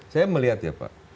saya melihat ya pak